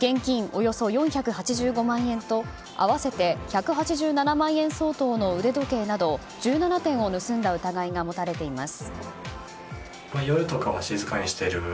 およそ４８５万円と合わせて１８７万円相当の腕時計など１７点を盗んだ疑いが持たれています。